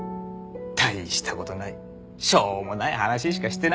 大したことないしょうもない話しかしてなくて。